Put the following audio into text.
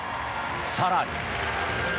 更に。